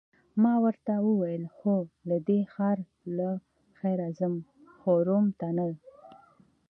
ما ورته وویل: هو، له دې ښاره له خیره ځم، خو روم ته نه.